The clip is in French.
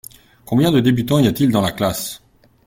Combien de débutants y a-t-il dans la classe ?